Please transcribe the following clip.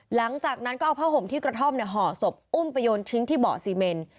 หลังจากนั้นก็เอาผ้าห่มที่กระท่อมห่อศพอุ้มไปโยนทิ้งที่เบาะซีเมน